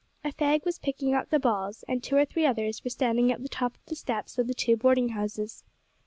A fag was picking up the balls, and two or three others were standing at the top of the steps of the two boarding houses.